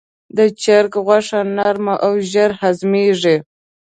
د چرګ غوښه نرم او ژر هضمېږي.